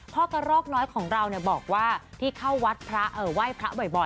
พ่อกระรอกน้อยของเราเนี่ยบอกว่าที่เข้าวัดไหว้พระบ่อยนะครับ